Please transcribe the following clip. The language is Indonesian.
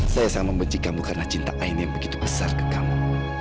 saya sangat membenci kamu karena cinta ain yang begitu besar ke kamu